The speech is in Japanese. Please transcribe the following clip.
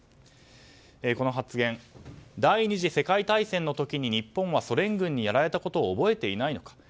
この発言、第２次世界大戦の時に日本はソ連軍にやられたことを覚えていないのか。